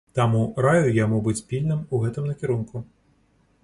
Таму раю яму быць пільным у гэтым накірунку.